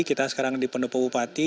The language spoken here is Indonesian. kita sekarang di pendopo bupati